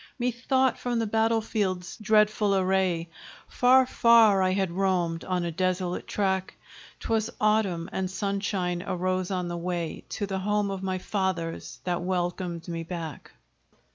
Methought from the battle field's dreadful array, Far, far I had roamed on a desolate track: 'Twas Autumn, and sunshine arose on the way To the home of my fathers, that welcomed me back.